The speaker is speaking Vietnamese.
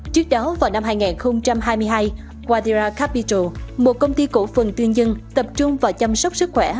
trước đó vào năm hai nghìn hai mươi hai guadiracapital một công ty cổ phần tiên dân tập trung vào chăm sóc sức khỏe